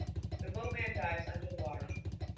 The boatman dives under the water.